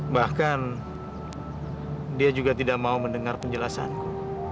bahkan dia juga tidak mau mendengar penjelasanku